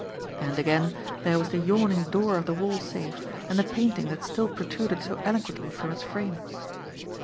And, again, there was the yawning door of the wall safe, and the painting that still protruded so elo quently from its frame